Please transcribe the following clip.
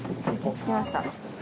着きました。